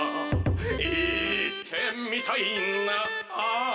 「行ってみたいな」